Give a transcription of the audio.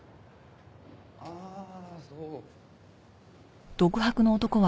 ああそう。